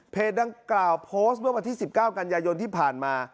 ดังกล่าวโพสต์เมื่อวันที่๑๙กันยายนที่ผ่านมา